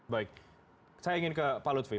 baik saya ingin ke pak lutfi